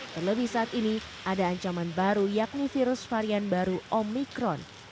terlebih saat ini ada ancaman baru yakni virus varian baru omikron